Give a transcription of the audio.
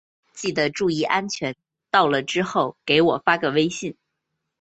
记得注意安全，到了之后给我发个微信。